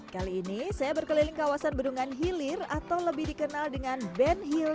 kali ini saya berkeliling kawasan bedungan hilir atau lebih dikenal dengan bedungan hilir